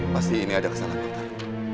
pasti ini ada kesalahan